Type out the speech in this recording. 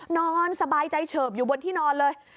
นอนสบายใจเฉิบอยู่บนที่นอนเลย